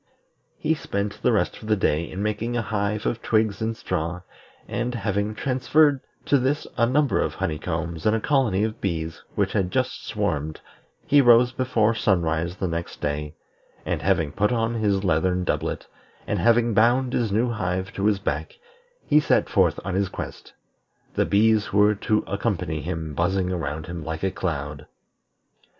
He spent the rest of the day in making a hive of twigs and straw, and, having transferred to this a number of honey combs and a colony of bees which had just swarmed, he rose before sunrise the next day, and having put on his leathern doublet, and having bound his new hive to his back, he set forth on his quest; the bees who were to accompany him buzzing around him like a cloud.